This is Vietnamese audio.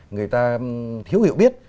người ta thiếu hiểu biết